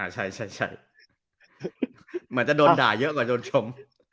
ใช่เหมือนจะโดนด่าเยอะกว่าโดนชม